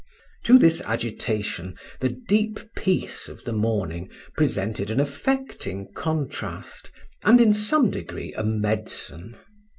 To this agitation the deep peace of the morning presented an affecting contrast, and in some degree a medicine.